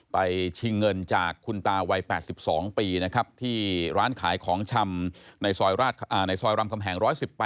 ไปชิงเงินจากคุณตาไว๘๒ปีที่ร้านขายของชำในซอยยรรมคำแห่ง๑๑๘